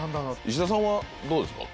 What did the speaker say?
石田さんはどうですか？